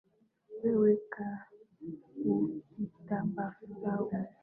Wewe kaa ukitabasamu